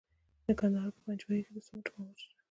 د کندهار په پنجوايي کې د سمنټو مواد شته.